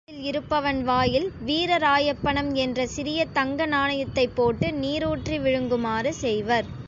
இறக்கும் தருவாயில் இருப்பவன் வாயில் வீரராயப்பணம் என்ற சிறிய தங்க நாணயத்தைப் போட்டு நீரூற்றி விழுங்குமாறு செய்வர்.